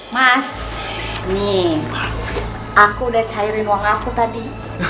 mas nih aku udah cairin uang aku tadi